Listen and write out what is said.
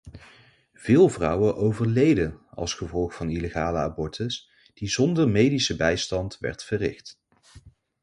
Veel vrouwen overleden als gevolg van illegale abortus, die zonder medische bijstand werd verricht.